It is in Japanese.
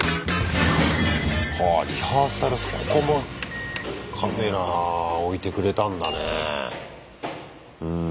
はあリハーサルここもカメラ置いてくれたんだね。